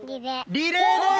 リレーです。